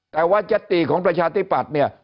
แต่ว่ายัตติของประชาธิปัตย์เนี่ย